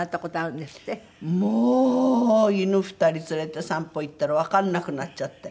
もう犬２人連れて散歩行ったらわかんなくなっちゃって。